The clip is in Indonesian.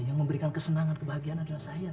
yang memberikan kesenangan kebahagiaan adalah saya